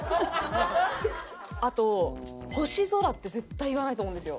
あと「星空」って絶対言わないと思うんですよ。